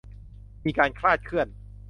มีการคลาดเคลื่อน